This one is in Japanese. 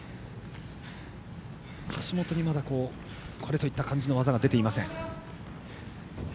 橋本にまだ、これといった技が出ていません。